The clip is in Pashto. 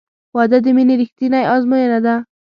• واده د مینې رښتینی ازموینه ده.